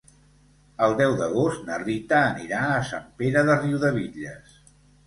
El deu d'agost na Rita anirà a Sant Pere de Riudebitlles.